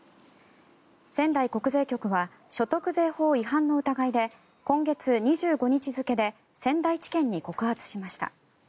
仙台国税局は所得税法違反の疑いで今月２５日付で仙台地検に告発しました。